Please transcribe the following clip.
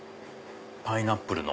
パイナップルの。